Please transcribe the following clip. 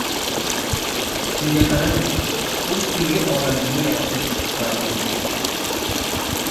Shunga qaramay, o‘z kulgi olamingni yaratish g‘aroyib edi.